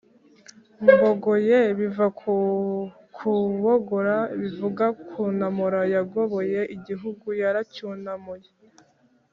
mbogoye: biva ku kubogora bivuga kunamura yagoboye igihugu, yaracyunamuye